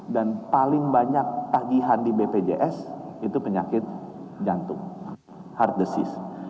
dan paling banyak tagihan di bpjs itu penyakit jantung heart disease